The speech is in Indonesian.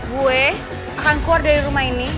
gue akan keluar dari rumah ini